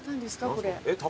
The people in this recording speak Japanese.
これ。